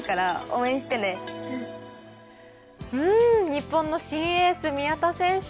日本の新エース宮田選手